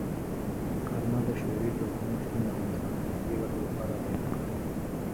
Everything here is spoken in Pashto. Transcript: کارمل د شوروي ځواکونو شتون د افغانستان د ملي ګټو لپاره بیان کړ.